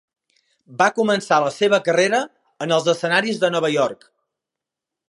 Va començar la seva carrera en els escenaris de Nova York.